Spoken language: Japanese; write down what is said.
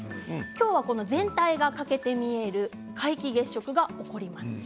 今日は全体が欠けて見える皆既月食が起こります。